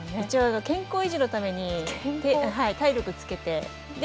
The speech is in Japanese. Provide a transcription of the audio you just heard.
一応、健康維持のために体力つけて。